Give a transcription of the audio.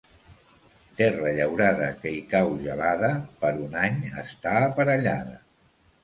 Terra llaurada que hi cau gelada, per un any està aparellada.